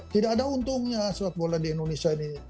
tidak ada untungnya sepak bola di indonesia ini